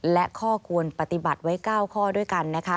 และข้อควรปฏิบัติไว้๙ข้อด้วยกันนะคะ